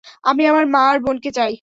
আমি আমার মা আর বোনকে চাই।